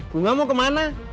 bunga mau kemana